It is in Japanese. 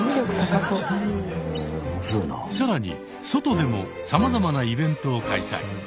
更に外でもさまざまなイベントを開催。